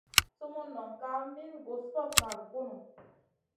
Sumun non kaf min gus fokŋa vi bunu.